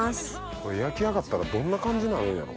これ焼き上がったらどんな感じになるんやろ。